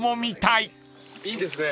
いいですね。